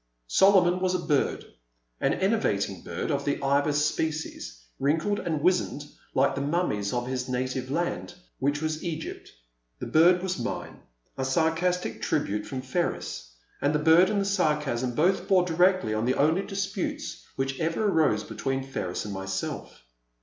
Solomon was a bird, an enervating bird of the Ibis species, wrinkled and wizened, like the mummies of his native land, which was Egypt. The bird was mine, a sarcastic tribute from Ferris, and the bird and the sarcasm both bore directly on the only disputes which ever arose between Ferris and myself.